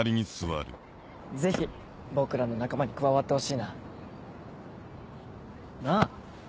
ぜひ僕らの仲間に加わってほしいな。なぁ？